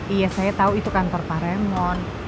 iya saya tahu itu kantor pak remon